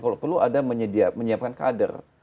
kalau perlu ada menyiapkan kader